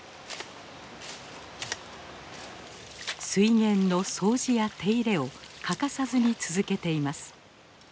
水源の掃除や手入れを欠かさずに続けています。